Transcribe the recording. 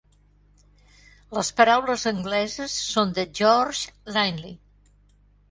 Les paraules angleses són de George Linley.